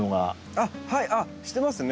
あっはいしてますね。